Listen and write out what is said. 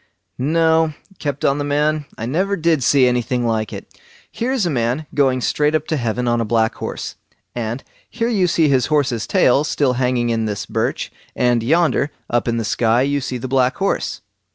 "No", kept on the man, "I never did see anything like it!—here is a man going straight up to heaven on a black horse, and here you see his horse's tail still hanging in this birch; and yonder up in the sky you see the black horse."